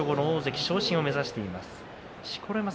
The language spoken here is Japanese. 場所後の大関昇進を目指しています。